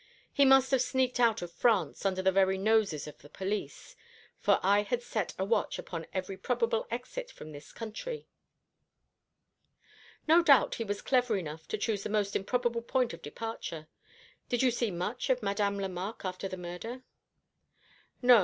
He must have sneaked out of France under the very noses of the police; for I had set a watch upon every probable exit from this country." "No doubt he was clever enough to choose the most improbable point of departure. Did you see much of Madame Lemarque after the murder?" "No.